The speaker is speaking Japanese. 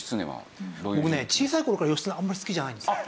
僕ね小さい頃から義経あんまり好きじゃないんですよ。